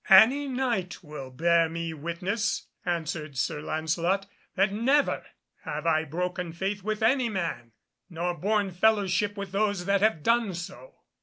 "Any Knight will bear me witness," answered Sir Lancelot, "that never have I broken faith with any man, nor borne fellowship with those that have done so."